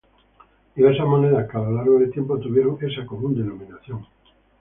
Diversas monedas que a lo largo del tiempo tuvieron esa común denominación.